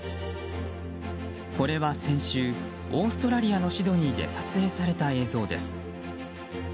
これは先週オーストラリアのシドニーで撮影された映像です。